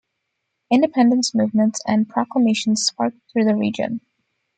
Independence movements and proclamations sparked through the region.